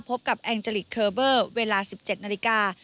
พบกับแองเจลิกเคอร์เบอร์เวลา๑๗นาฬิกา